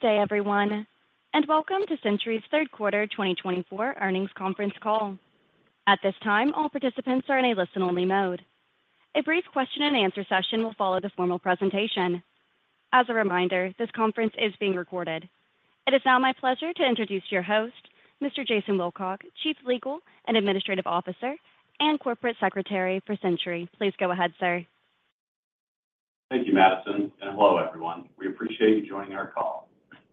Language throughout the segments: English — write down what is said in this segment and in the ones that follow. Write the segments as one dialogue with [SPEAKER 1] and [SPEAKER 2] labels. [SPEAKER 1] Good day, everyone, and welcome to Centuri's Third Quarter 2024 Earnings Conference Call. At this time, all participants are in a listen-only mode. A brief question-and-answer session will follow the formal presentation. As a reminder, this conference is being recorded. It is now my pleasure to introduce your host, Mr. Jason Wilcock, Chief Legal and Administrative Officer and Corporate Secretary for Centuri. Please go ahead, sir.
[SPEAKER 2] Thank you, Madison, and hello, everyone. We appreciate you joining our call.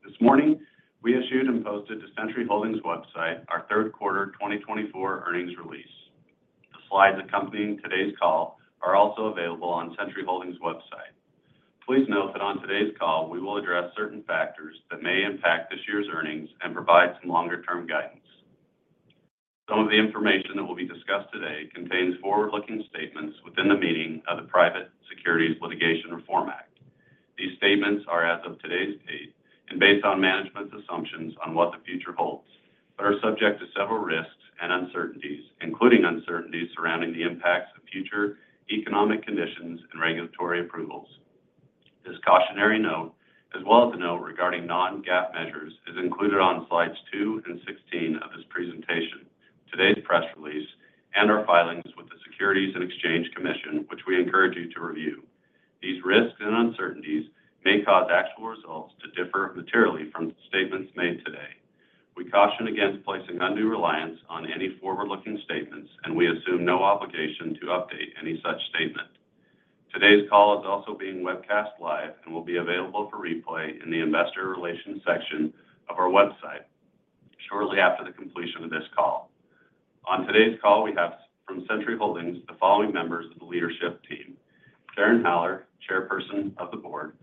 [SPEAKER 2] This morning, we issued and posted to Centuri Holdings' website our third quarter 2024 earnings release. The slides accompanying today's call are also available on Centuri Holdings' website. Please note that on today's call, we will address certain factors that may impact this year's earnings and provide some longer-term guidance. Some of the information that will be discussed today contains forward-looking statements within the meaning of the Private Securities Litigation Reform Act. These statements are, as of today's date, and based on management's assumptions on what the future holds, but are subject to several risks and uncertainties, including uncertainties surrounding the impacts of future economic conditions and regulatory approvals. This cautionary note, as well as a note regarding non-GAAP measures, is included on slides two and 16 of this presentation, today's press release, and our filings with the Securities and Exchange Commission, which we encourage you to review. These risks and uncertainties may cause actual results to differ materially from statements made today. We caution against placing undue reliance on any forward-looking statements, and we assume no obligation to update any such statement. Today's call is also being webcast live and will be available for replay in the Investor Relations section of our website shortly after the completion of this call. On today's call, we have from Centuri Holdings the following members of the leadership team: Karen Haller, Chairperson of the Board;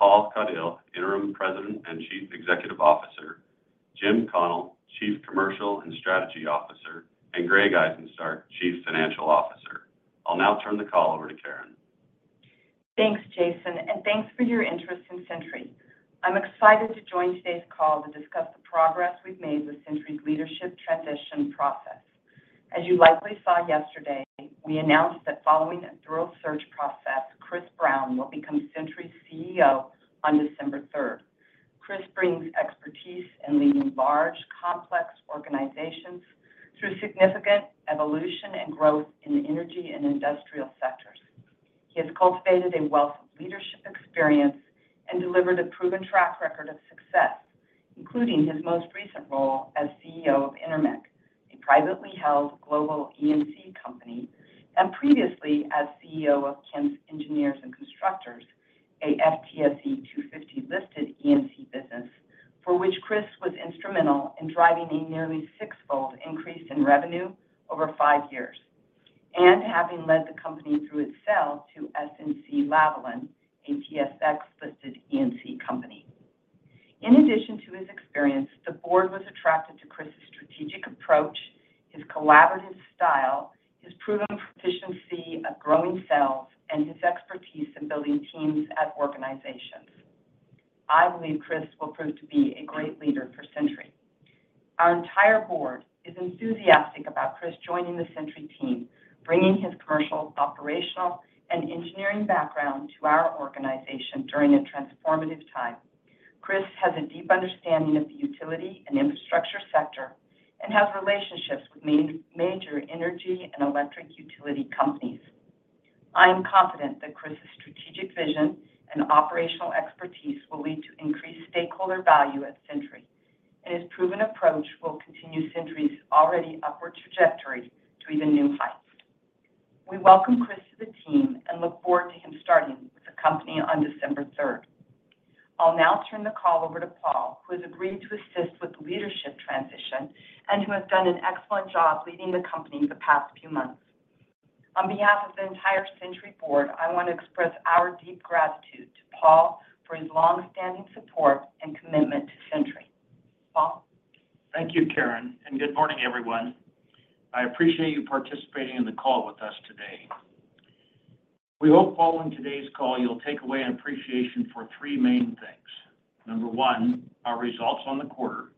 [SPEAKER 2] Paul Caudill, Interim President and Chief Executive Officer; Jim Connell, Chief Commercial and Strategy Officer; and Greg Izenstark, Chief Financial Officer. I'll now turn the call over to Karen.
[SPEAKER 3] Thanks, Jason, and thanks for your interest in Centuri. I'm excited to join today's call to discuss the progress we've made with Centuri's leadership transition process. As you likely saw yesterday, we announced that following a thorough search process, Chris Brown will become Centuri's CEO on December 3rd. Chris brings expertise in leading large, complex organizations through significant evolution and growth in the energy and industrial sectors. He has cultivated a wealth of leadership experience and delivered a proven track record of success, including his most recent role as CEO of EnerMech, a privately held global E&C company, and previously as CEO of Kentz Engineers & Constructors, a FTSE 250-listed E&C business for which Chris was instrumental in driving a nearly six-fold increase in revenue over five years, and having led the company through its sale to SNC-Lavalin, a TSX-listed E&C company. In addition to his experience, the board was attracted to Chris's strategic approach, his collaborative style, his proven proficiency at growing sales, and his expertise in building teams at organizations. I believe Chris will prove to be a great leader for Centuri. Our entire board is enthusiastic about Chris joining the Centuri team, bringing his commercial, operational, and engineering background to our organization during a transformative time. Chris has a deep understanding of the utility and infrastructure sector and has relationships with major energy and electric utility companies. I'm confident that Chris's strategic vision and operational expertise will lead to increased stakeholder value at Centuri, and his proven approach will continue Centuri's already upward trajectory to even new heights. We welcome Chris to the team and look forward to him starting with the company on December 3rd. I'll now turn the call over to Paul, who has agreed to assist with the leadership transition and who has done an excellent job leading the company the past few months. On behalf of the entire Centuri board, I want to express our deep gratitude to Paul for his longstanding support and commitment to Centuri. Paul?
[SPEAKER 4] Thank you, Karen, and good morning, everyone. I appreciate you participating in the call with us today. We hope, following today's call, you'll take away an appreciation for three main things. Number one, our results on the quarter.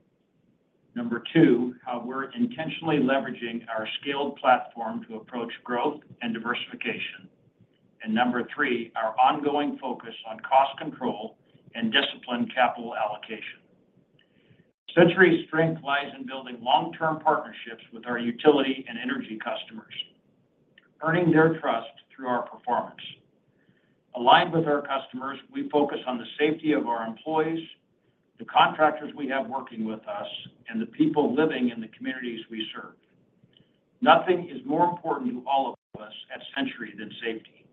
[SPEAKER 4] Number two, how we're intentionally leveraging our scaled platform to approach growth and diversification. And number three, our ongoing focus on cost control and disciplined capital allocation. Centuri's strength lies in building long-term partnerships with our utility and energy customers, earning their trust through our performance. Aligned with our customers, we focus on the safety of our employees, the contractors we have working with us, and the people living in the communities we serve. Nothing is more important to all of us at Centuri than safety.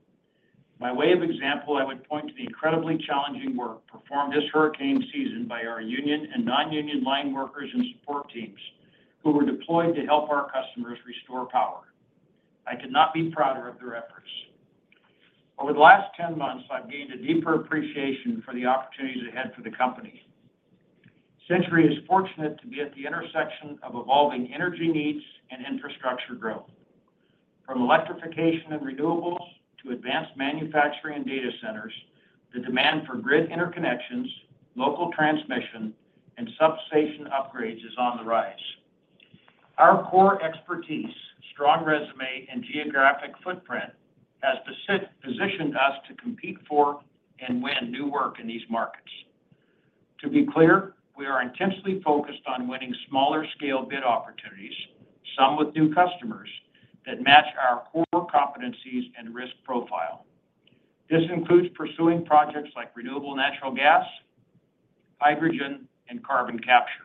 [SPEAKER 4] By way of example, I would point to the incredibly challenging work performed this hurricane season by our union and non-union line workers and support teams who were deployed to help our customers restore power. I could not be prouder of their efforts. Over the last 10 months, I've gained a deeper appreciation for the opportunities ahead for the company. Centuri is fortunate to be at the intersection of evolving energy needs and infrastructure growth. From electrification and renewables to advanced manufacturing and data centers, the demand for grid interconnections, local transmission, and substation upgrades is on the rise. Our core expertise, strong resume, and geographic footprint have positioned us to compete for and win new work in these markets. To be clear, we are intensely focused on winning smaller-scale bid opportunities, some with new customers, that match our core competencies and risk profile. This includes pursuing projects like renewable natural gas, hydrogen, and carbon capture.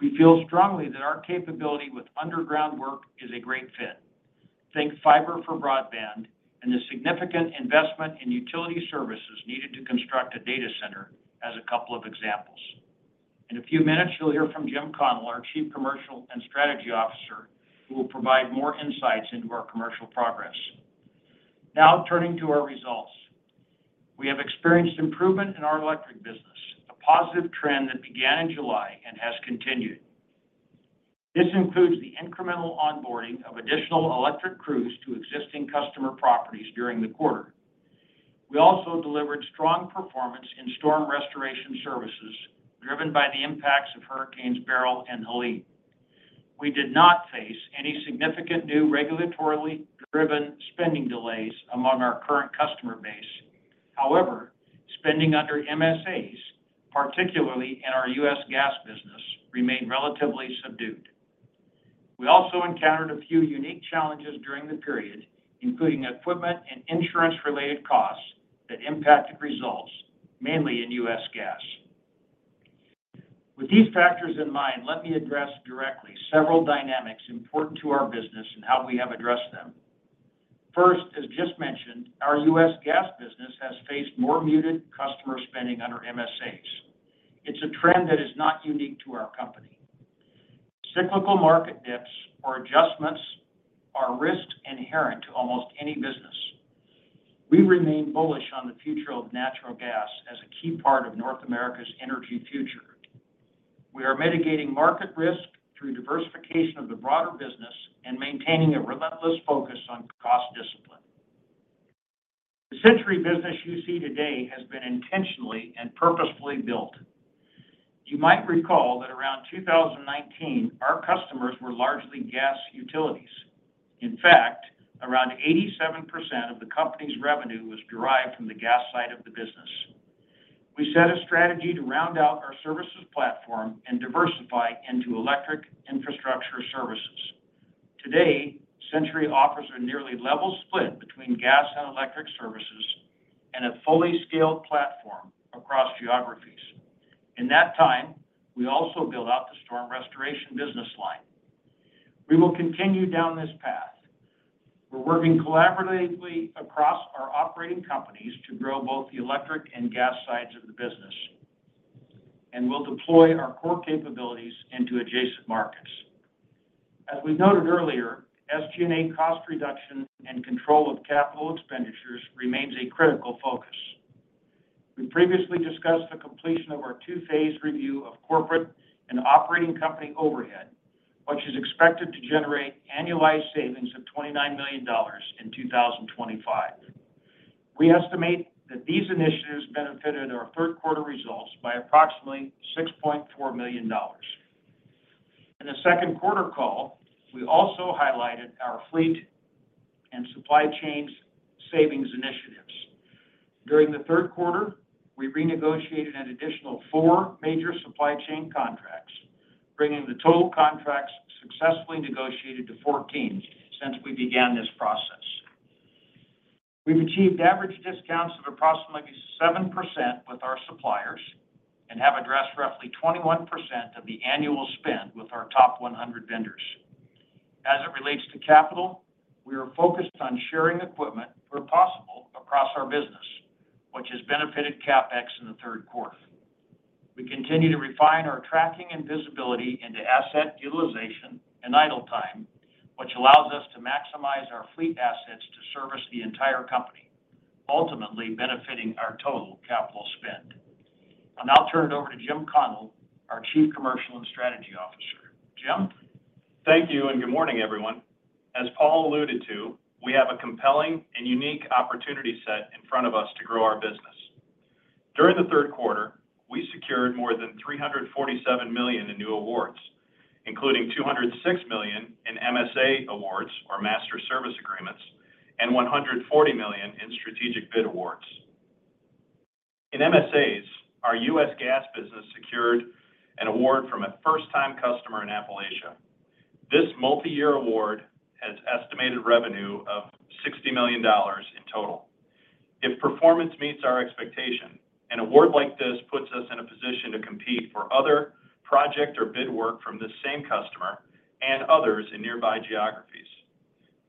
[SPEAKER 4] We feel strongly that our capability with underground work is a great fit. Think fiber for broadband and the significant investment in utility services needed to construct a data center as a couple of examples. In a few minutes, you'll hear from Jim Connell, our Chief Commercial and Strategy Officer, who will provide more insights into our commercial progress. Now, turning to our results, we have experienced improvement in our electric business, a positive trend that began in July and has continued. This includes the incremental onboarding of additional electric crews to existing customer properties during the quarter. We also delivered strong performance in storm restoration services driven by the impacts of Hurricanes Beryl and Helene. We did not face any significant new regulatory-driven spending delays among our current customer base. However, spending under MSAs, particularly in our U.S. gas business, remained relatively subdued. We also encountered a few unique challenges during the period, including equipment and insurance-related costs that impacted results, mainly in U.S. gas. With these factors in mind, let me address directly several dynamics important to our business and how we have addressed them. First, as just mentioned, our U.S. gas business has faced more muted customer spending under MSAs. It's a trend that is not unique to our company. Cyclical market dips or adjustments are risk inherent to almost any business. We remain bullish on the future of natural gas as a key part of North America's energy future. We are mitigating market risk through diversification of the broader business and maintaining a relentless focus on cost discipline. The Centuri business you see today has been intentionally and purposefully built. You might recall that around 2019, our customers were largely gas utilities. In fact, around 87% of the company's revenue was derived from the gas side of the business. We set a strategy to round out our services platform and diversify into electric infrastructure services. Today, Centuri offers a nearly level split between gas and electric services and a fully scaled platform across geographies. In that time, we also built out the storm restoration business line. We will continue down this path. We're working collaboratively across our operating companies to grow both the electric and gas sides of the business, and we'll deploy our core capabilities into adjacent markets. As we've noted earlier, SG&A cost reduction and control of capital expenditures remains a critical focus. We previously discussed the completion of our two-phase review of corporate and operating company overhead, which is expected to generate annualized savings of $29 million in 2025. We estimate that these initiatives benefited our third quarter results by approximately $6.4 million. In the second quarter call, we also highlighted our fleet and supply chain savings initiatives. During the third quarter, we renegotiated an additional four major supply chain contracts, bringing the total contracts successfully negotiated to 14 since we began this process. We've achieved average discounts of approximately 7% with our suppliers and have addressed roughly 21% of the annual spend with our top 100 vendors. As it relates to capital, we are focused on sharing equipment where possible across our business, which has benefited CapEx in the third quarter. We continue to refine our tracking and visibility into asset utilization and idle time, which allows us to maximize our fleet assets to service the entire company, ultimately benefiting our total capital spend. And I'll turn it over to Jim Connell, our Chief Commercial and Strategy Officer. Jim?
[SPEAKER 5] Thank you and good morning, everyone. As Paul alluded to, we have a compelling and unique opportunity set in front of us to grow our business. During the third quarter, we secured more than $347 million in new awards, including $206 million in MSA awards, or master service agreements, and $140 million in strategic bid awards. In MSAs, our U.S. gas business secured an award from a first-time customer in Appalachia. This multi-year award has estimated revenue of $60 million in total. If performance meets our expectation, an award like this puts us in a position to compete for other project or bid work from this same customer and others in nearby geographies.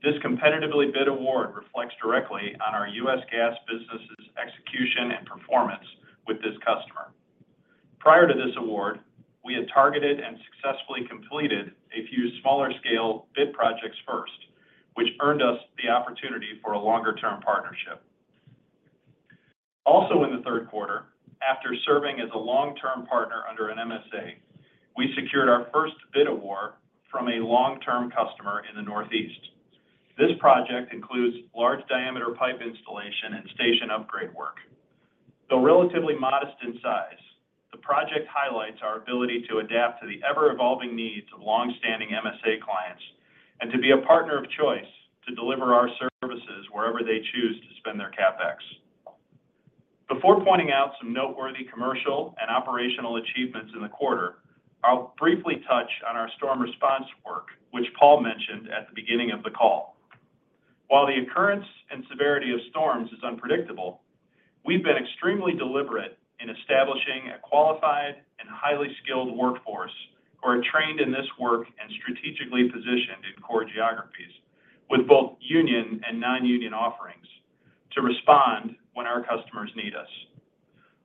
[SPEAKER 5] This competitively bid award reflects directly on our U.S. gas business's execution and performance with this customer. Prior to this award, we had targeted and successfully completed a few smaller-scale bid projects first, which earned us the opportunity for a longer-term partnership. Also, in the third quarter, after serving as a long-term partner under an MSA, we secured our first bid award from a long-term customer in the Northeast. This project includes large-diameter pipe installation and station upgrade work. Though relatively modest in size, the project highlights our ability to adapt to the ever-evolving needs of long-standing MSA clients and to be a partner of choice to deliver our services wherever they choose to spend their CapEx. Before pointing out some noteworthy commercial and operational achievements in the quarter, I'll briefly touch on our storm response work, which Paul mentioned at the beginning of the call. While the occurrence and severity of storms is unpredictable, we've been extremely deliberate in establishing a qualified and highly skilled workforce who are trained in this work and strategically positioned in core geographies with both union and non-union offerings to respond when our customers need us.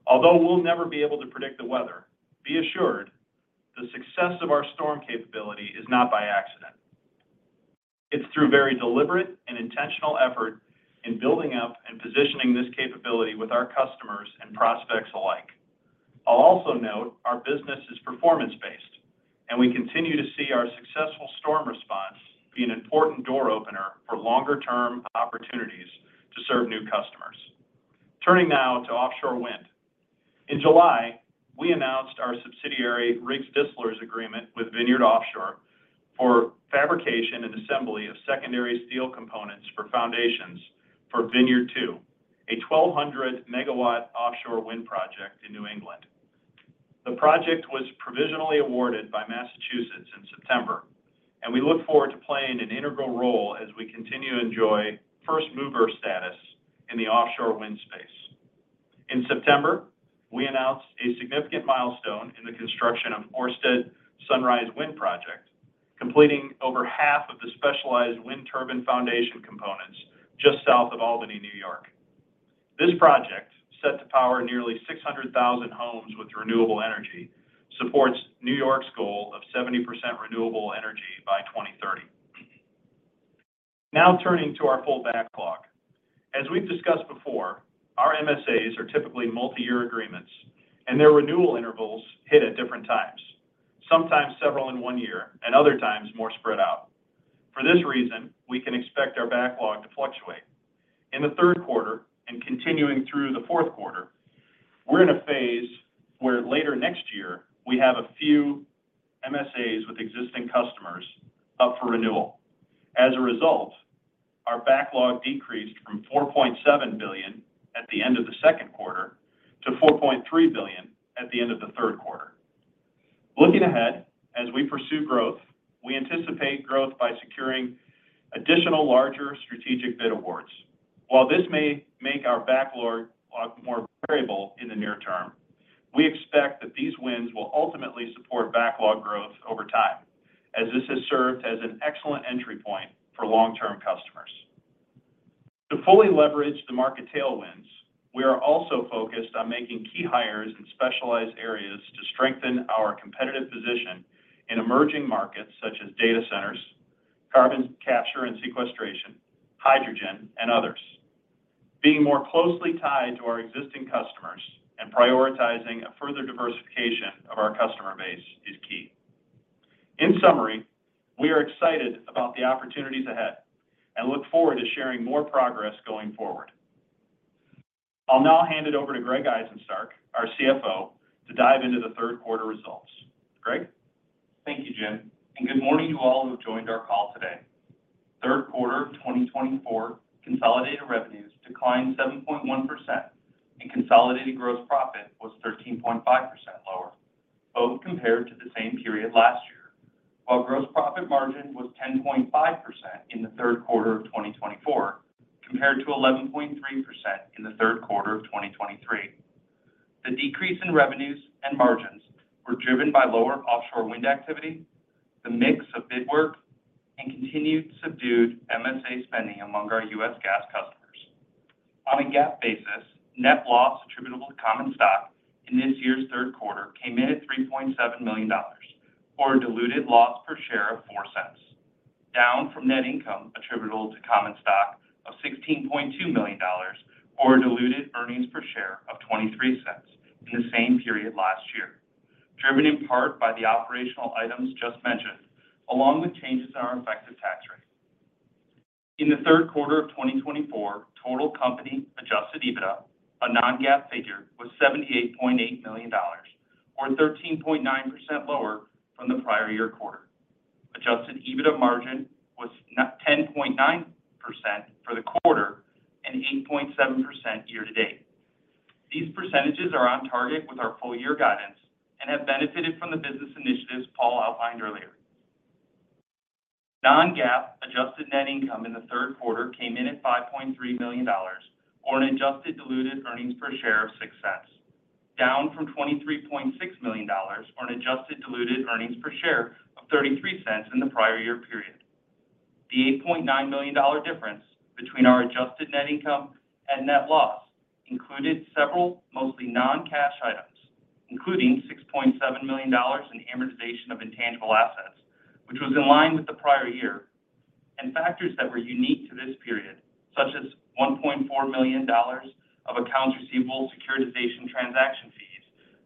[SPEAKER 5] Although we'll never be able to predict the weather, be assured, the success of our storm capability is not by accident. It's through very deliberate and intentional effort in building up and positioning this capability with our customers and prospects alike. I'll also note our business is performance-based, and we continue to see our successful storm response be an important door opener for longer-term opportunities to serve new customers. Turning now to offshore wind. In July, we announced our subsidiary Riggs Distler Agreement with Vineyard Offshore for fabrication and assembly of secondary steel components for foundations for Vineyard 2, a 1,200 MW offshore wind project in New England. The project was provisionally awarded by Massachusetts in September, and we look forward to playing an integral role as we continue to enjoy first mover status in the offshore wind space. In September, we announced a significant milestone in the construction of Ørsted Sunrise Wind Project, completing over half of the specialized wind turbine foundation components just south of Albany, New York. This project, set to power nearly 600,000 homes with renewable energy, supports New York's goal of 70% renewable energy by 2030. Now turning to our full backlog. As we've discussed before, our MSAs are typically multi-year agreements, and their renewal intervals hit at different times, sometimes several in one year and other times more spread out. For this reason, we can expect our backlog to fluctuate. In the third quarter and continuing through the fourth quarter, we're in a phase where later next year we have a few MSAs with existing customers up for renewal. As a result, our backlog decreased from $4.7 billion at the end of the second quarter to $4.3 billion at the end of the third quarter. Looking ahead, as we pursue growth, we anticipate growth by securing additional larger strategic bid awards. While this may make our backlog more variable in the near term, we expect that these wins will ultimately support backlog growth over time, as this has served as an excellent entry point for long-term customers. To fully leverage the market tailwinds, we are also focused on making key hires in specialized areas to strengthen our competitive position in emerging markets such as data centers, carbon capture and sequestration, hydrogen, and others. Being more closely tied to our existing customers and prioritizing a further diversification of our customer base is key. In summary, we are excited about the opportunities ahead and look forward to sharing more progress going forward. I'll now hand it over to Greg Izenstark, our CFO, to dive into the third-quarter results. Greg?
[SPEAKER 6] Thank you, Jim. Good morning to all who have joined our call today. Third quarter of 2024, consolidated revenues declined 7.1%, and consolidated gross profit was 13.5% lower, both compared to the same period last year, while gross profit margin was 10.5% in the third quarter of 2024 compared to 11.3% in the third quarter of 2023. The decrease in revenues and margins were driven by lower offshore wind activity, the mix of bid work, and continued subdued MSA spending among our U.S. gas customers. On a GAAP basis, net loss attributable to common stock in this year's third quarter came in at $3.7 million, or a diluted loss per share of $0.04, down from net income attributable to common stock of $16.2 million, or a diluted earnings per share of $0.23 in the same period last year, driven in part by the operational items just mentioned, along with changes in our effective tax rate. In the third quarter of 2024, total company Adjusted EBITDA, a non-GAAP figure, was $78.8 million, or 13.9% lower from the prior year quarter. Adjusted EBITDA margin was 10.9% for the quarter and 8.7% year to date. These percentages are on target with our full-year guidance and have benefited from the business initiatives Paul outlined earlier. Non-GAAP adjusted net income in the third quarter came in at $5.3 million, or an adjusted diluted earnings per share of $0.06, down from $23.6 million, or an adjusted diluted earnings per share of $0.33 in the prior year period. The $8.9 million difference between our adjusted net income and net loss included several mostly non-cash items, including $6.7 million in amortization of intangible assets, which was in line with the prior year, and factors that were unique to this period, such as $1.4 million of accounts receivable securitization transaction fees,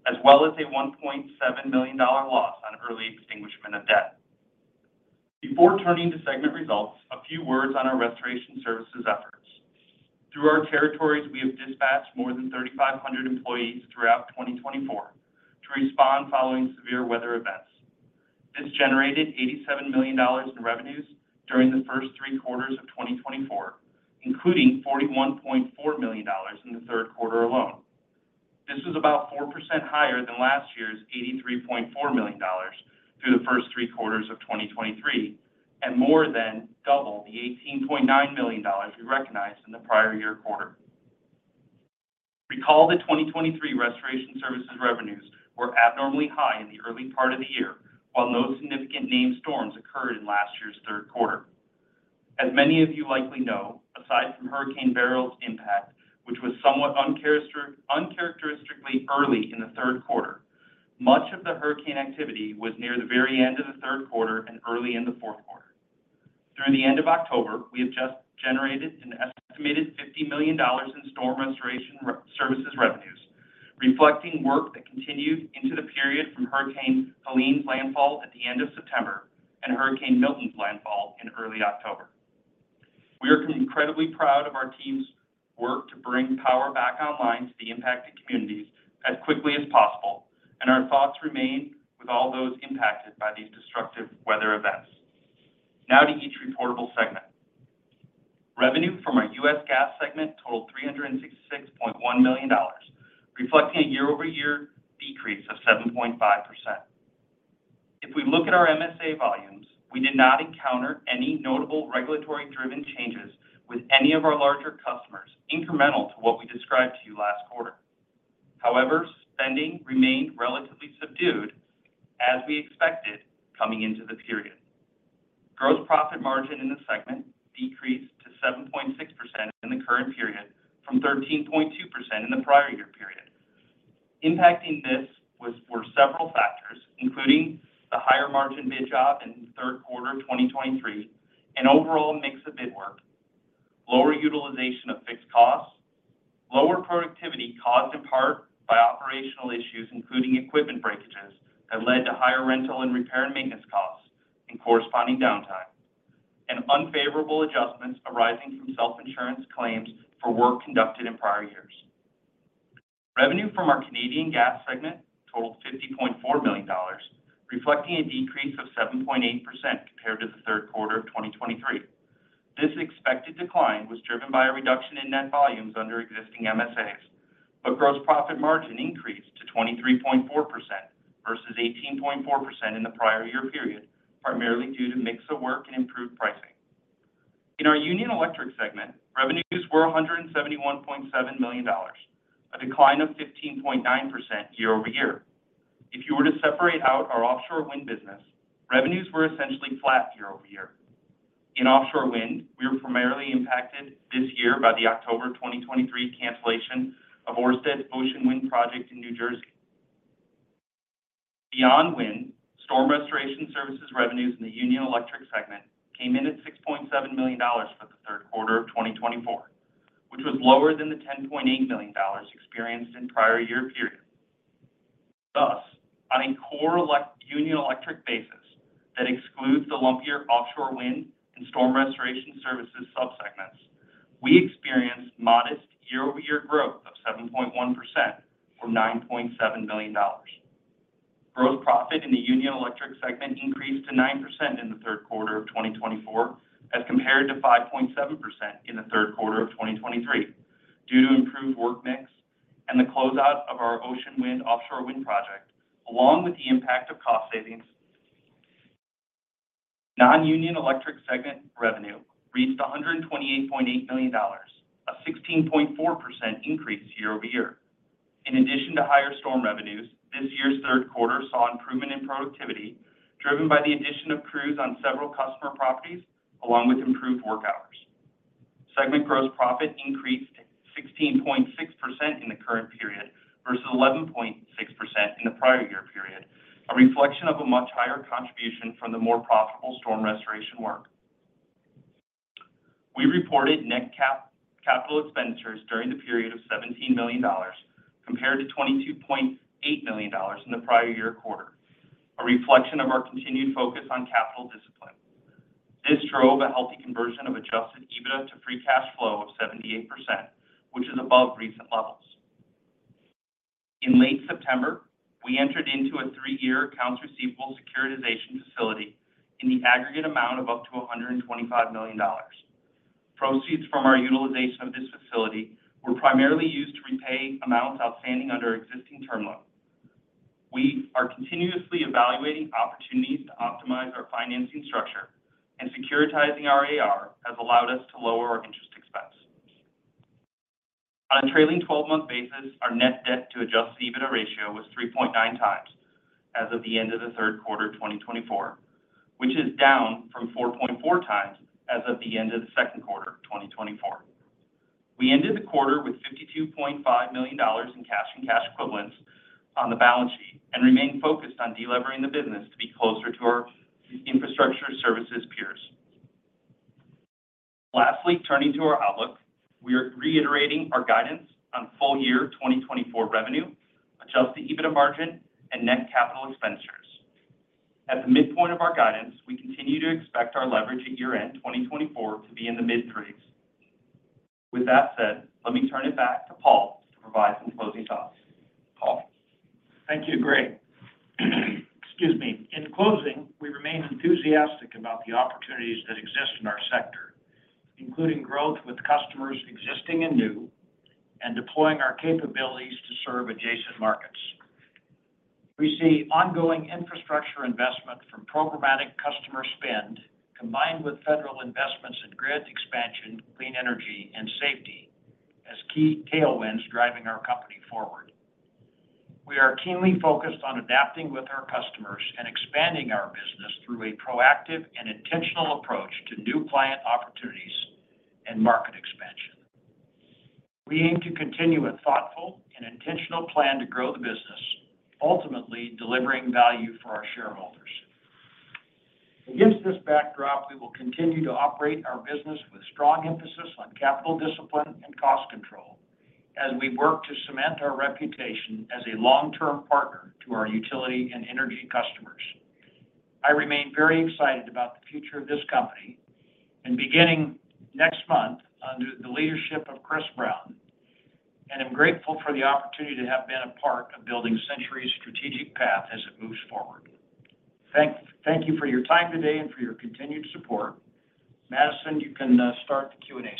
[SPEAKER 6] as well as a $1.7 million loss on early extinguishment of debt. Before turning to segment results, a few words on our restoration services efforts. Through our territories, we have dispatched more than 3,500 employees throughout 2024 to respond following severe weather events. This generated $87 million in revenues during the first three quarters of 2024, including $41.4 million in the third quarter alone. This was about 4% higher than last year's $83.4 million through the first three quarters of 2023 and more than double the $18.9 million we recognized in the prior year quarter. Recall that 2023 restoration services revenues were abnormally high in the early part of the year, while no significant named storms occurred in last year's third quarter. As many of you likely know, aside from Hurricane Beryl's impact, which was somewhat uncharacteristically early in the third quarter, much of the hurricane activity was near the very end of the third quarter and early in the fourth quarter. Through the end of October, we have just generated an estimated $50 million in storm restoration services revenues, reflecting work that continued into the period from Hurricane Helene's landfall at the end of September and Hurricane Milton's landfall in early October. We are incredibly proud of our team's work to bring power back online to the impacted communities as quickly as possible, and our thoughts remain with all those impacted by these destructive weather events. Now to each reportable segment. Revenue from our U.S. gas segment totaled $366.1 million, reflecting a year-over-year decrease of 7.5%. If we look at our MSA volumes, we did not encounter any notable regulatory-driven changes with any of our larger customers, incremental to what we described to you last quarter. However, spending remained relatively subdued, as we expected coming into the period. Gross profit margin in the segment decreased to 7.6% in the current period from 13.2% in the prior year period. Impacting this were several factors, including the higher margin bid job in the third quarter of 2023 and overall mix of bid work, lower utilization of fixed costs, lower productivity caused in part by operational issues, including equipment breakages that led to higher rental and repair and maintenance costs and corresponding downtime, and unfavorable adjustments arising from self-insurance claims for work conducted in prior years. Revenue from our Canadian gas segment totaled $50.4 million, reflecting a decrease of 7.8% compared to the third quarter of 2023. This expected decline was driven by a reduction in net volumes under existing MSAs, but gross profit margin increased to 23.4% versus 18.4% in the prior year period, primarily due to mix of work and improved pricing. In our Union Electric segment, revenues were $171.7 million, a decline of 15.9% year-over-year. If you were to separate out our offshore wind business, revenues were essentially flat year-over-year. In offshore wind, we were primarily impacted this year by the October 2023 cancellation of Ørsted's Ocean Wind project in New Jersey. Beyond wind, storm restoration services revenues in the Union Electric segment came in at $6.7 million for the third quarter of 2024, which was lower than the $10.8 million experienced in prior year period. Thus, on a core Union Electric basis that excludes the last year offshore wind and storm restoration services subsegments, we experienced modest year-over-year growth of 7.1% or $9.7 million. Gross profit in the Union Electric segment increased to 9% in the third quarter of 2024 as compared to 5.7% in the third quarter of 2023 due to improved work mix and the closeout of our Ocean Wind offshore wind project, along with the impact of cost savings. Non-Union Electric segment revenue reached $128.8 million, a 16.4% increase year-over-year. In addition to higher storm revenues, this year's third quarter saw improvement in productivity driven by the addition of crews on several customer properties, along with improved work hours. Segment gross profit increased to 16.6% in the current period versus 11.6% in the prior year period, a reflection of a much higher contribution from the more profitable storm restoration work. We reported net capital expenditures during the period of $17 million compared to $22.8 million in the prior year quarter, a reflection of our continued focus on capital discipline. This drove a healthy conversion of Adjusted EBITDA to free cash flow of 78%, which is above recent levels. In late September, we entered into a three-year accounts receivable securitization facility in the aggregate amount of up to $125 million. Proceeds from our utilization of this facility were primarily used to repay amounts outstanding under existing term loan. We are continuously evaluating opportunities to optimize our financing structure, and securitizing our AR has allowed us to lower our interest expense. On a trailing 12-month basis, our net debt to Adjusted EBITDA ratio was 3.9x as of the end of the third quarter of 2024, which is down from 4.4x as of the end of the second quarter of 2024. We ended the quarter with $52.5 million in cash and cash equivalents on the balance sheet and remained focused on delivering the business to be closer to our infrastructure services peers. Lastly, turning to our outlook, we are reiterating our guidance on full-year 2024 revenue, Adjusted EBITDA margin, and net capital expenditures. At the midpoint of our guidance, we continue to expect our leverage at year-end 2024 to be in the mid-threes. With that said, let me turn it back to Paul to provide some closing thoughts. Paul.
[SPEAKER 4] Thank you, Greg. Excuse me. In closing, we remain enthusiastic about the opportunities that exist in our sector, including growth with customers existing and new, and deploying our capabilities to serve adjacent markets. We see ongoing infrastructure investment from programmatic customer spend combined with federal investments in grid expansion, clean energy, and safety as key tailwinds driving our company forward. We are keenly focused on adapting with our customers and expanding our business through a proactive and intentional approach to new client opportunities and market expansion. We aim to continue a thoughtful and intentional plan to grow the business, ultimately delivering value for our shareholders. Against this backdrop, we will continue to operate our business with strong emphasis on capital discipline and cost control as we work to cement our reputation as a long-term partner to our utility and energy customers. I remain very excited about the future of this company and beginning next month under the leadership of Chris Brown, and am grateful for the opportunity to have been a part of building Centuri's strategic path as it moves forward. Thank you for your time today and for your continued support. Madison, you can start the Q&A session.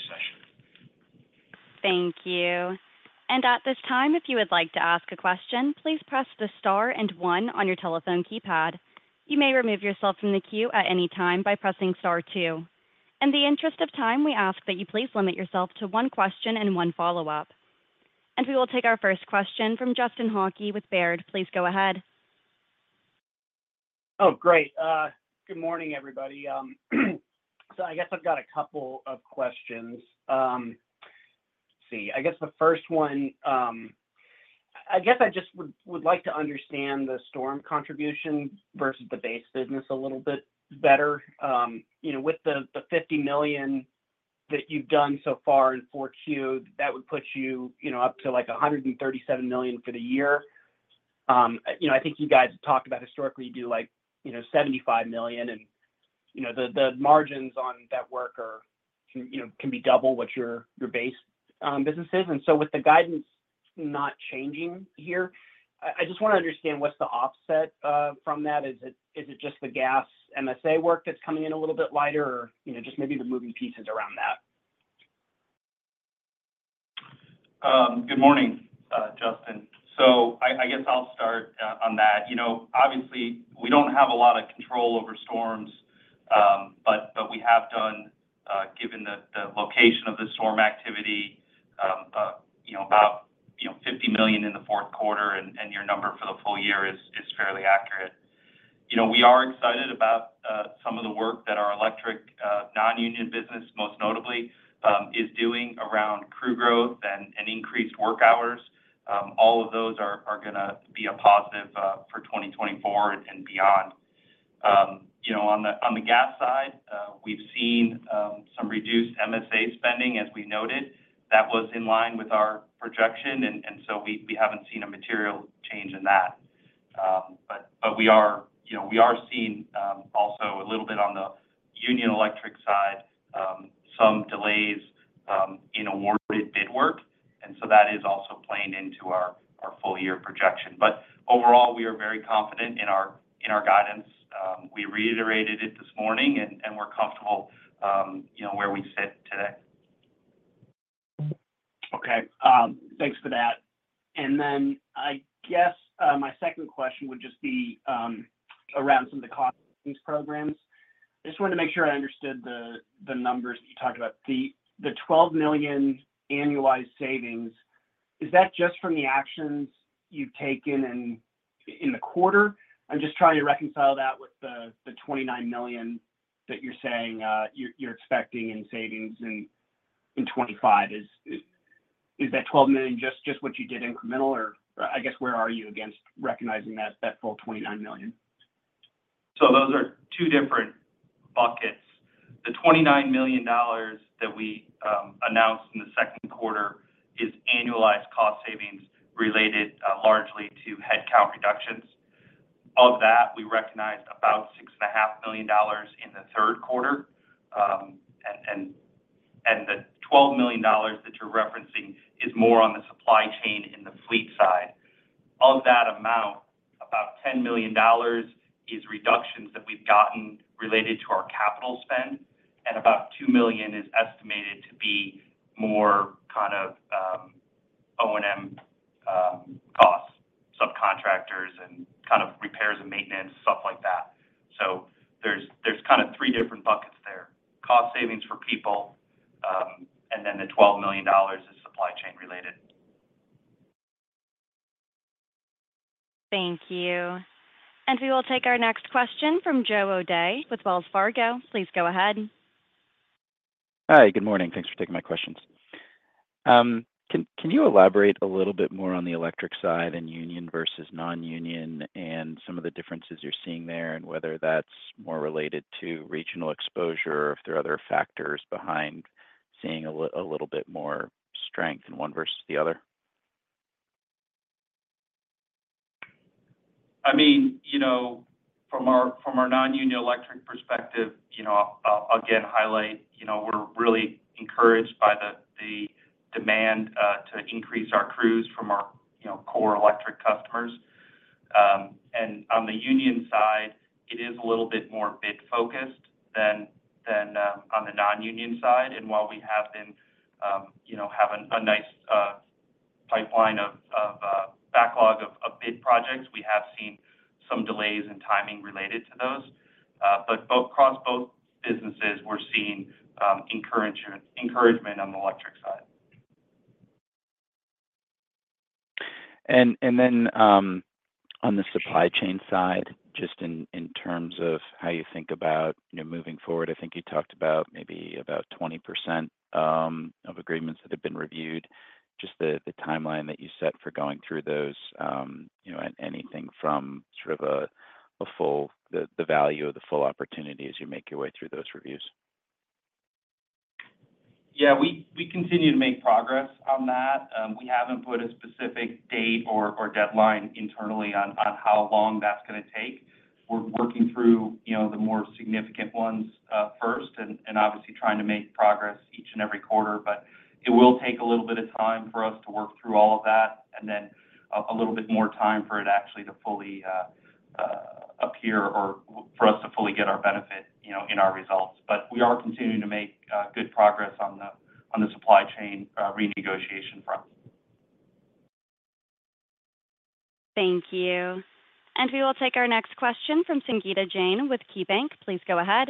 [SPEAKER 1] Thank you. And at this time, if you would like to ask a question, please press the star and one on your telephone keypad. You may remove yourself from the queue at any time by pressing star two. In the interest of time, we ask that you please limit yourself to one question and one follow-up. And we will take our first question from Justin Hauke with Baird. Please go ahead.
[SPEAKER 7] Oh, great. Good morning, everybody. So I guess I've got a couple of questions. Let's see. I guess the first one, I guess I just would like to understand the storm contribution versus the base business a little bit better. With the $50 million that you've done so far in 4Q, that would put you up to like $137 million for the year. I think you guys talked about historically you do like $75 million, and the margins on that work can be double what your base business is. And so with the guidance not changing here, I just want to understand what's the offset from that. Is it just the gas MSA work that's coming in a little bit lighter, or just maybe the moving pieces around that?
[SPEAKER 6] Good morning, Justin. So I guess I'll start on that. Obviously, we don't have a lot of control over storms, but we have done, given the location of the storm activity, about $50 million in the fourth quarter, and your number for the full year is fairly accurate. We are excited about some of the work that our electric non-union business, most notably, is doing around crew growth and increased work hours. All of those are going to be a positive for 2024 and beyond. On the gas side, we've seen some reduced MSA spending, as we noted. That was in line with our projection, and so we haven't seen a material change in that. But we are seeing also a little bit on the union electric side, some delays in awarded bid work, and so that is also playing into our full-year projection. But overall, we are very confident in our guidance. We reiterated it this morning, and we're comfortable where we sit today.
[SPEAKER 7] Okay. Thanks for that. And then I guess my second question would just be around some of the cost savings programs. I just wanted to make sure I understood the numbers that you talked about. The $12 million annualized savings, is that just from the actions you've taken in the quarter? I'm just trying to reconcile that with the $29 million that you're saying you're expecting in savings in 2025. Is that $12 million just what you did incremental, or I guess where are you against recognizing that full $29 million?
[SPEAKER 6] Those are two different buckets. The $29 million that we announced in the second quarter is annualized cost savings related largely to headcount reductions. Of that, we recognized about $6.5 million in the third quarter. And the $12 million that you're referencing is more on the supply chain in the fleet side. Of that amount, about $10 million is reductions that we've gotten related to our capital spend, and about $2 million is estimated to be more kind of O&M costs, subcontractors, and kind of repairs and maintenance, stuff like that. So there's kind of three different buckets there: cost savings for people, and then the $12 million is supply chain related.
[SPEAKER 1] Thank you. We will take our next question from Joe O'Dea with Wells Fargo. Please go ahead.
[SPEAKER 8] Hi. Good morning. Thanks for taking my questions. Can you elaborate a little bit more on the electric side and union versus non-union and some of the differences you're seeing there and whether that's more related to regional exposure or if there are other factors behind seeing a little bit more strength in one versus the other?
[SPEAKER 6] I mean, from our non-union electric perspective, I'll again highlight we're really encouraged by the demand to increase our crews from our core electric customers. And on the union side, it is a little bit more bid-focused than on the non-union side. And while we have been having a nice pipeline of backlog of bid projects, we have seen some delays in timing related to those. But across both businesses, we're seeing encouragement on the electric side.
[SPEAKER 8] And then on the supply chain side, just in terms of how you think about moving forward, I think you talked about maybe about 20% of agreements that have been reviewed. Just the timeline that you set for going through those, anything from sort of the value of the full opportunity as you make your way through those reviews?
[SPEAKER 6] Yeah. We continue to make progress on that. We haven't put a specific date or deadline internally on how long that's going to take. We're working through the more significant ones first and obviously trying to make progress each and every quarter. But it will take a little bit of time for us to work through all of that and then a little bit more time for it actually to fully appear or for us to fully get our benefit in our results. But we are continuing to make good progress on the supply chain renegotiation front.
[SPEAKER 1] Thank you, and we will take our next question from Sangita Jain with KeyBanc. Please go ahead.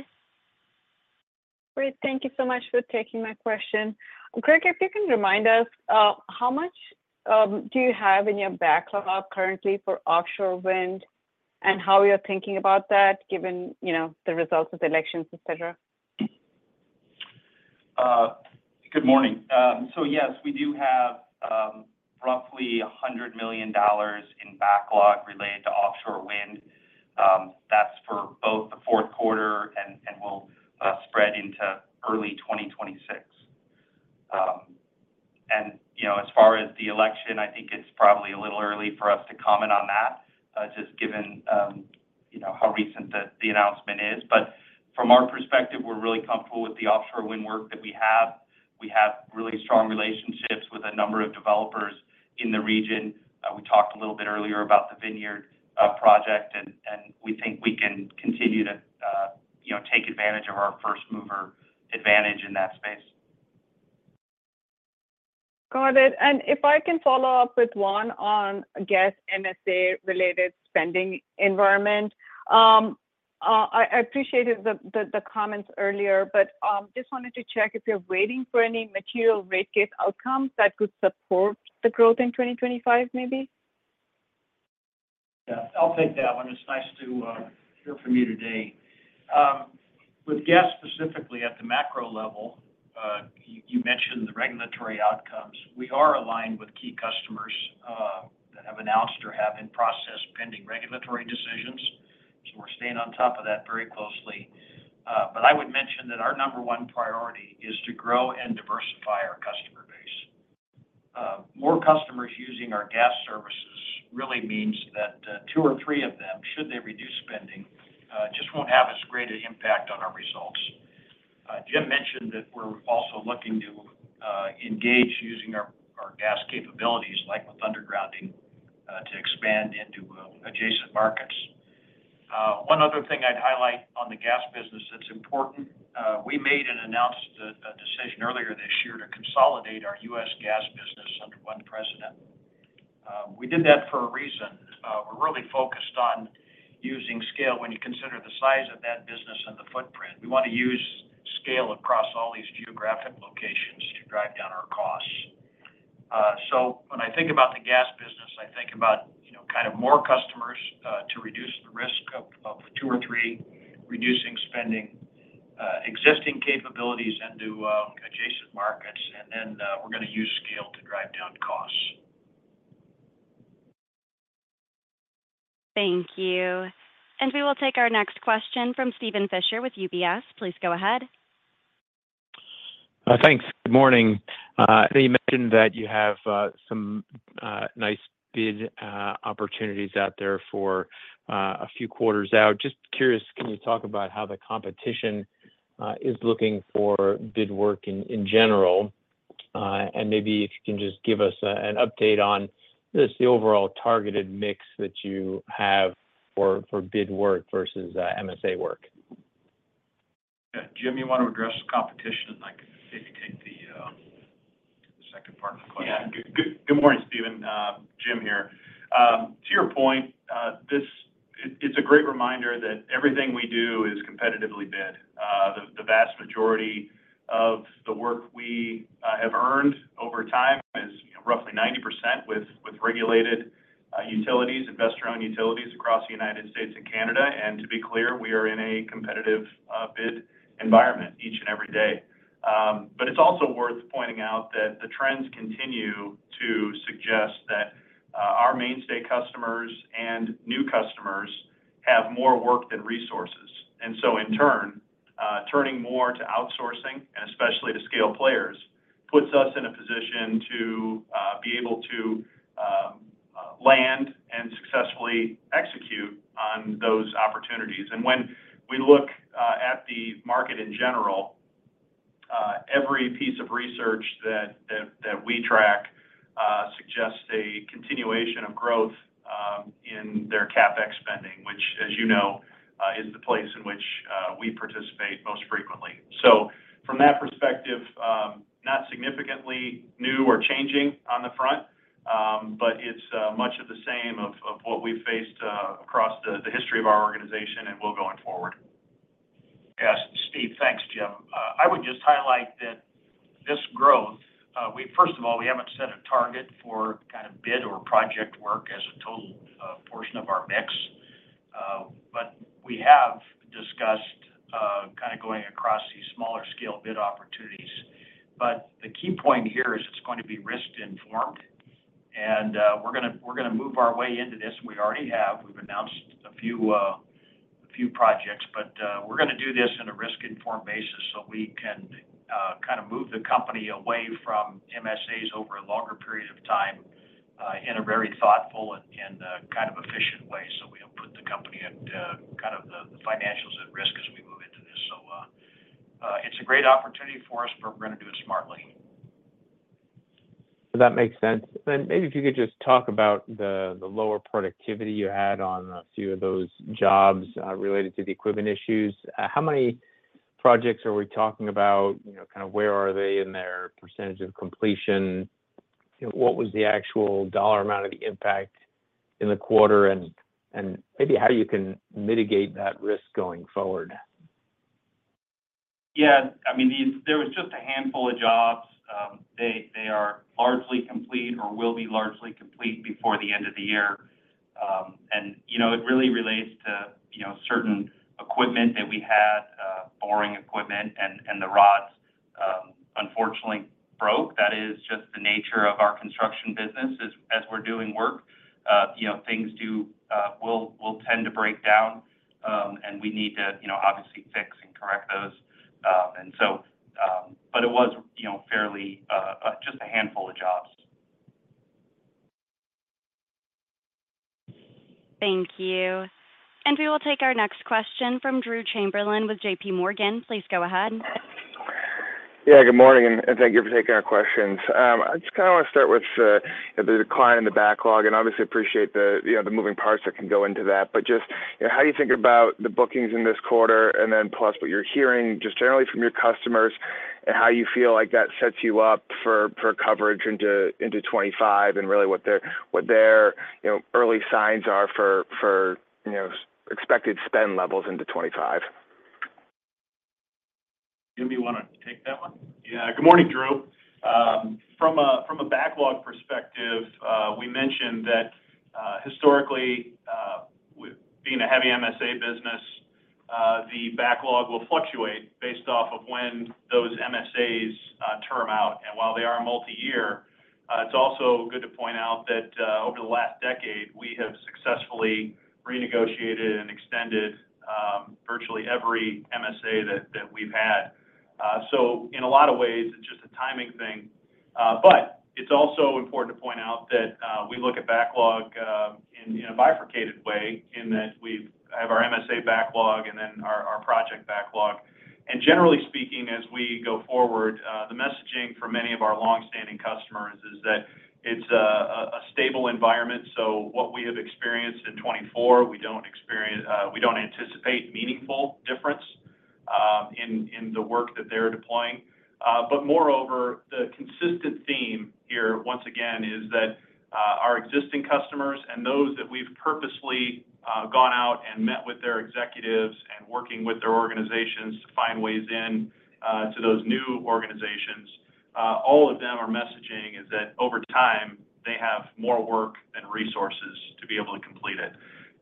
[SPEAKER 9] Great. Thank you so much for taking my question. Greg, if you can remind us, how much do you have in your backlog currently for offshore wind and how you're thinking about that given the results of the elections, etc.?
[SPEAKER 6] Good morning. So yes, we do have roughly $100 million in backlog related to offshore wind. That's for both the fourth quarter and will spread into early 2026. And as far as the election, I think it's probably a little early for us to comment on that just given how recent the announcement is. But from our perspective, we're really comfortable with the offshore wind work that we have. We have really strong relationships with a number of developers in the region. We talked a little bit earlier about the Vineyard project, and we think we can continue to take advantage of our first-mover advantage in that space.
[SPEAKER 9] Got it. And if I can follow up with one on, I guess, MSA-related spending environment. I appreciated the comments earlier, but I just wanted to check if you're waiting for any material rate case outcomes that could support the growth in 2025, maybe?
[SPEAKER 4] Yeah. I'll take that one. It's nice to hear from you today. With gas specifically at the macro level, you mentioned the regulatory outcomes. We are aligned with key customers that have announced or have in process pending regulatory decisions. So we're staying on top of that very closely. But I would mention that our number one priority is to grow and diversify our customer base. More customers using our gas services really means that two or three of them, should they reduce spending, just won't have as great an impact on our results. Jim mentioned that we're also looking to engage using our gas capabilities, like with undergrounding, to expand into adjacent markets. One other thing I'd highlight on the gas business that's important. We made and announced a decision earlier this year to consolidate our U.S. gas business under one president. We did that for a reason. We're really focused on using scale when you consider the size of that business and the footprint. We want to use scale across all these geographic locations to drive down our costs. So when I think about the gas business, I think about kind of more customers to reduce the risk of two or three, reducing spending, existing capabilities into adjacent markets, and then we're going to use scale to drive down costs.
[SPEAKER 1] Thank you. And we will take our next question from Steven Fisher with UBS. Please go ahead.
[SPEAKER 10] Thanks. Good morning. You mentioned that you have some nice bid opportunities out there for a few quarters out. Just curious, can you talk about how the competition is looking for bid work in general? And maybe if you can just give us an update on just the overall targeted mix that you have for bid work versus MSA work?
[SPEAKER 4] Yeah. Jim, you want to address competition? I could maybe take the second part of the question.
[SPEAKER 5] Yeah. Good morning, Steven. Jim here. To your point, it's a great reminder that everything we do is competitively bid. The vast majority of the work we have earned over time is roughly 90% with regulated utilities, investor-owned utilities across the United States and Canada. And to be clear, we are in a competitive bid environment each and every day. But it's also worth pointing out that the trends continue to suggest that our mainstay customers and new customers have more work than resources. And so in turn, turning more to outsourcing and especially to scale players puts us in a position to be able to land and successfully execute on those opportunities. When we look at the market in general, every piece of research that we track suggests a continuation of growth in their CapEx spending, which, as you know, is the place in which we participate most frequently. From that perspective, not significantly new or changing on the front, but it's much of the same of what we've faced across the history of our organization and will go on forward.
[SPEAKER 4] Yes. Steve, thanks, Jim. I would just highlight that this growth, first of all, we haven't set a target for kind of bid or project work as a total portion of our mix, but we have discussed kind of going across these smaller-scale bid opportunities, but the key point here is it's going to be risk-informed, and we're going to move our way into this. We already have. We've announced a few projects, but we're going to do this on a risk-informed basis so we can kind of move the company away from MSAs over a longer period of time in a very thoughtful and kind of efficient way, so we don't put the company at kind of the financials at risk as we move into this, so it's a great opportunity for us, but we're going to do it smartly.
[SPEAKER 10] That makes sense, and maybe if you could just talk about the lower productivity you had on a few of those jobs related to the equipment issues. How many projects are we talking about? Kind of where are they in their percentage of completion? What was the actual dollar amount of the impact in the quarter, and maybe how you can mitigate that risk going forward?
[SPEAKER 6] Yeah. I mean, there was just a handful of jobs. They are largely complete or will be largely complete before the end of the year. And it really relates to certain equipment that we had, boring equipment, and the rods unfortunately broke. That is just the nature of our construction business as we're doing work. Things will tend to break down, and we need to obviously fix and correct those. But it was fairly just a handful of jobs.
[SPEAKER 1] Thank you. And we will take our next question from Drew Chamberlain with JPMorgan. Please go ahead.
[SPEAKER 11] Yeah. Good morning, and thank you for taking our questions. I just kind of want to start with the decline in the backlog. And obviously, appreciate the moving parts that can go into that. But just how do you think about the bookings in this quarter and then plus what you're hearing just generally from your customers and how you feel like that sets you up for coverage into 2025 and really what their early signs are for expected spend levels into 2025?
[SPEAKER 4] Jim, you want to take that one?
[SPEAKER 5] Yeah. Good morning, Drew. From a backlog perspective, we mentioned that historically, being a heavy MSA business, the backlog will fluctuate based off of when those MSAs term out. And while they are multi-year, it's also good to point out that over the last decade, we have successfully renegotiated and extended virtually every MSA that we've had. So in a lot of ways, it's just a timing thing. But it's also important to point out that we look at backlog in a bifurcated way in that we have our MSA backlog and then our project backlog. And generally speaking, as we go forward, the messaging for many of our long-standing customers is that it's a stable environment. So what we have experienced in 2024, we don't anticipate meaningful difference in the work that they're deploying. But moreover, the consistent theme here, once again, is that our existing customers and those that we've purposely gone out and met with their executives and working with their organizations to find ways into those new organizations, all of them are messaging is that over time, they have more work and resources to be able to complete it.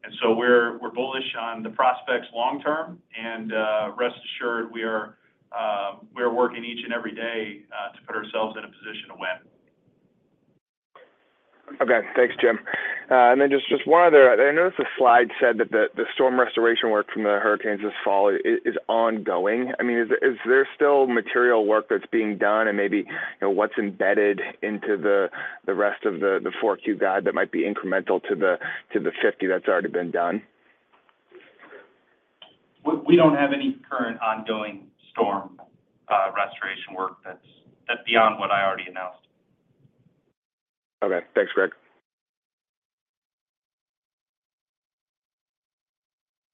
[SPEAKER 5] And so we're bullish on the prospects long-term. And rest assured, we are working each and every day to put ourselves in a position to win.
[SPEAKER 11] Okay. Thanks, Jim. And then just one other. I noticed the slide said that the storm restoration work from the hurricanes this fall is ongoing. I mean, is there still material work that's being done and maybe what's embedded into the rest of the FY Q4 guide that might be incremental to the 50 that's already been done?
[SPEAKER 6] We don't have any current ongoing storm restoration work that's beyond what I already announced.
[SPEAKER 11] Okay. Thanks, Greg.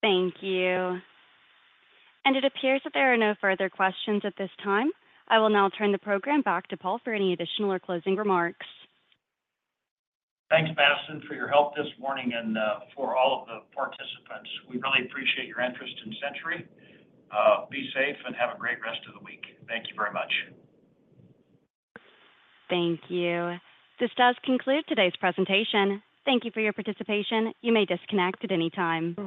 [SPEAKER 1] Thank you. And it appears that there are no further questions at this time. I will now turn the program back to Paul for any additional or closing remarks.
[SPEAKER 4] Thanks, Madison, for your help this morning and for all of the participants. We really appreciate your interest in Centuri. Be safe and have a great rest of the week. Thank you very much.
[SPEAKER 1] Thank you. This does conclude today's presentation. Thank you for your participation. You may disconnect at any time.